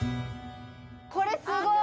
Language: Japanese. これすごい。